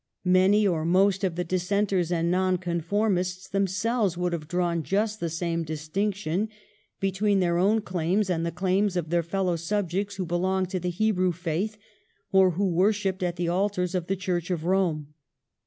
Many or most of the Dissenters and Nonconformists themselves would have drawn just the same distinc tion between their own claims and the claims of their fellow subjects who belonged to the Hebrew faith, or who worshipped at the altars of the Church of Eome.